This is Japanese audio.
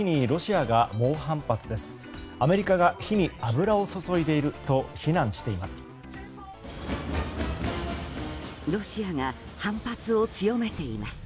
アメリカが火に油を注いでいると非難しています。